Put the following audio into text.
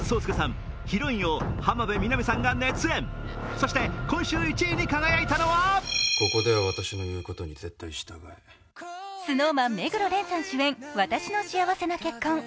そして、今週１位に輝いたのはＳｎｏｗＭａｎ・目黒蓮さん主演「わたしの幸せな結婚」。